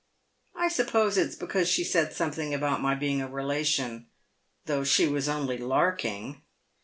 I suppose it's because she said something about my being a relation, though she was only larking."